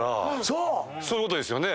そういうことですよね。